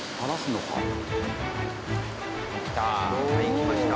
きた。